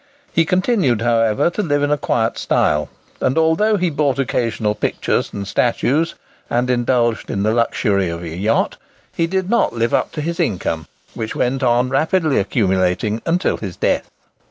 He continued, however, to live in a quiet style; and although he bought occasional pictures and statues, and indulged in the luxury of a yacht, he did not live up to his income, which went on rapidly accumulating until his death.